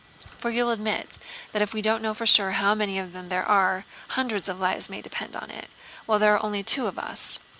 "For you'll admit that if we don't know for sure how many of them there are... hundreds of lives may depend on it, while there are only two of us.